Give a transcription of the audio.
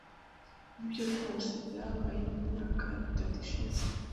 Nibyo rwose byabaye mumyaka itatu ishize.